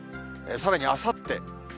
さらにあさって。